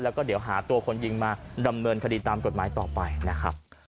แล้วก็เดี๋ยวหาตัวคนยิงมาดำเนินคดีตามกฎหมายต่อไปนะครับ